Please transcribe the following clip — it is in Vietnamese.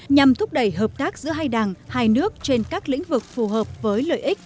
nhằm thúc đẩy hợp tác giữa hai đảng hai nước trên các lĩnh vực phù hợp với lợi ích